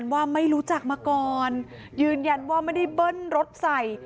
ว่าไม่รู้จักมาก่อนยืนยันว่าไม่ได้เบิ้ลรถใส่